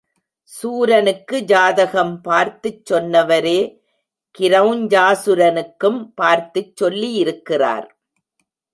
சூரனுக்கு ஜாதகம் பார்த்துக் சொன்னவரே கிரெளஞ்சாசுரனுக்கும் பார்த்துச் சொல்லியிருக்கிறார்.